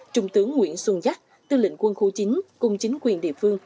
trung tướng nguyễn xuân giác tư lĩnh quân khu chính cùng chính quyền địa phương